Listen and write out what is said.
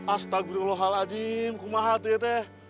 astagfirullahaladzim kumah hati teh